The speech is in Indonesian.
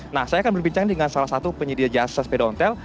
nah saya akan berbincang dengan salah satu penyedia jasa sepeda ontel